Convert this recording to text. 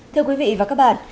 thưa quý vị và các bạn